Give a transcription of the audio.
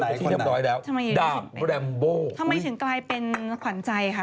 คนไหนคนไหนทำไมถึงกลายเป็นขวัญใจคะ